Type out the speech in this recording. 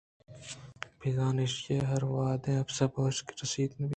بِہ زاں ایشی ءَ ہر وہد ءَ اپس ءِ بُکشاناں رست ءُ بست